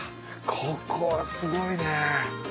ここすごいね。